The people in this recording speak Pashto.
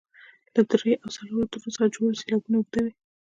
له دریو او څلورو تورو څخه جوړ سېلابونه اوږده وي.